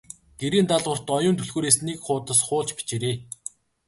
Гэрийн даалгаварт Оюун түлхүүрээс нэг хуудас хуулж бичээрэй.